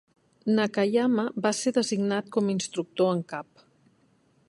Nakayama va ser designat com a instructor en cap.